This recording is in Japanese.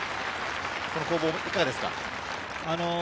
この攻防いかがですか？